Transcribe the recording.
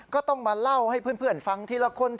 ก็ต้องมาเล่าให้เพื่อนฟังทีละคน